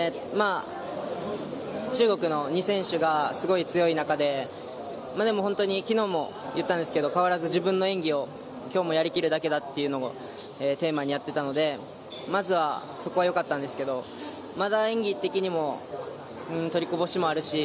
中国の２選手がすごい強い中で昨日も言ったんですけど変わらず自分の演技を今日もやりきるだけだというのをテーマにやっていたのでまずはそこはよかったんですけどまだ演技的にも取りこぼしもあるし